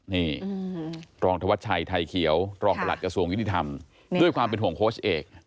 นี่รองธวัชชัยไทยเขียวรองประหลัดกระทรวงยุติธรรมด้วยความเป็นห่วงโค้ชเอก